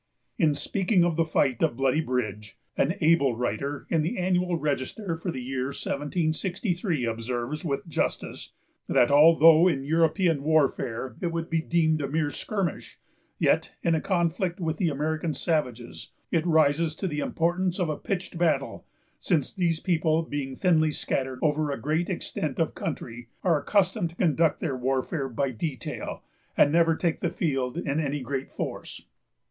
In speaking of the fight of Bloody Bridge, an able writer in the Annual Register for the year 1763 observes, with justice, that although in European warfare it would be deemed a mere skirmish, yet in a conflict with the American savages, it rises to the importance of a pitched battle; since these people, being thinly scattered over a great extent of country, are accustomed to conduct their warfare by detail, and never take the field in any great force.